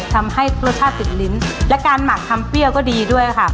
ทำให้รสชาติติดลิ้นและการหมักทำเปรี้ยวก็ดีด้วยค่ะ